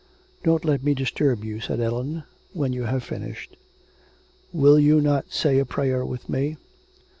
'Don't let me disturb you,' said Ellen, 'when you have finished.' 'Will you not say a prayer with me?'